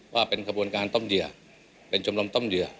ว่าเป็นขบวนการต้มเหยื่อเป็นชมรมต้มเหยื่อ